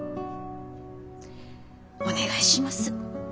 お願いします。